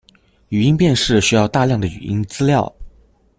語音辨識需要大量的語音資料